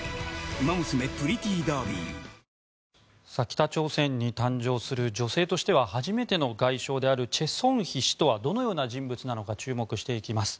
北朝鮮に誕生する女性としては初めての外相であるチェ・ソンヒ氏とはどのような人物なのか注目していきます。